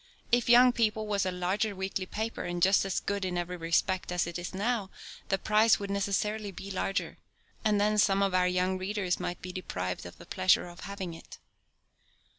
If Young People was a larger weekly paper, and just as good in every respect as it is now, the price would necessarily be larger; and then some of our young readers might be deprived of the pleasure of having it.